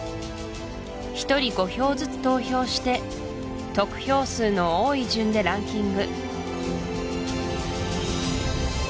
ひとり５票ずつ投票して得票数の多い順でランキング